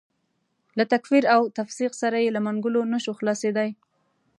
له تکفیر او تفسیق سره یې له منګولو نه شو خلاصېدای.